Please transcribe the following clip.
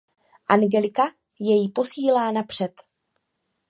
Angelika jej posílá napřed.